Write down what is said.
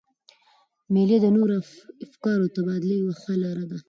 مېلې د نوو افکارو د تبادلې یوه ښه لاره ده.